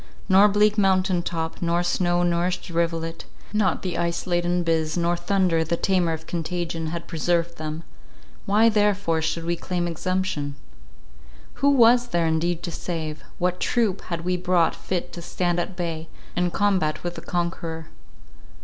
Nor bleak mountain top, nor snow nourished rivulet; not the ice laden Biz, nor thunder, the tamer of contagion, had preserved them— why therefore should we claim exemption? Who was there indeed to save? What troop had we brought fit to stand at bay, and combat with the conqueror?